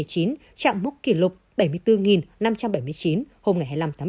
chạm mốc kỷ lục bảy mươi bốn năm trăm bảy mươi chín hôm hai mươi năm tháng một mươi một